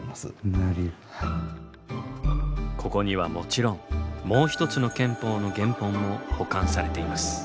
ここにはもちろんもう１つの憲法の原本も保管されています。